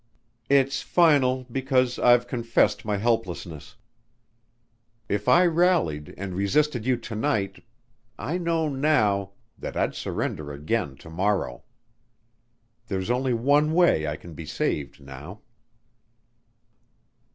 "It's final because I've confessed my helplessness. If I rallied and resisted you to night ... I know now ... that I'd surrender again to morrow. There's only one way I can be saved now."